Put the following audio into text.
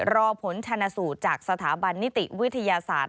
รอผลชนสูตรจากสถาบันนิติวิทยาศาสตร์